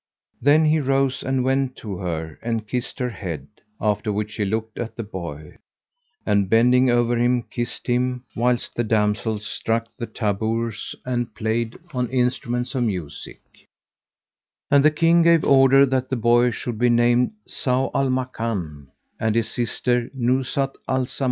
Then he rose and went to her and kissed her head, after which he looked at the boy; and, bending over him, kissed him, whilst the damsels struck the tabors and played on instruments of music; and the King gave order that the boy should be named Zau al Makán and his sister Nuzhat al Zamán.